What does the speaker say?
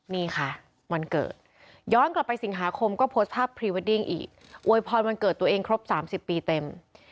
นี่ค่ะวันเกิดย้อนกลับไปสิงหาคมก็โพสต์ภาพพรีเวดดิ้งอีกอวยพรวันเกิดตัวเองครบ๓๐ปีเต็ม